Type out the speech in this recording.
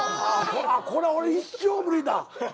これ俺一生無理だ。